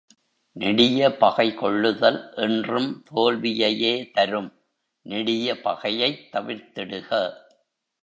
நெடிய பகை கொள்ளுதல், என்றும் தோல்வியையே தரும் நெடிய பகையைத் தவிர்த்திடுக.